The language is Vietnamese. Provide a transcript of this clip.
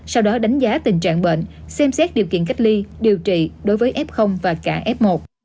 phát tình trạng bệnh xem xét điều kiện cách ly điều trị đối với f và cả f một